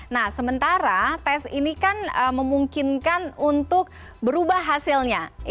nah sementara tes ini kan memungkinkan untuk berubah hasilnya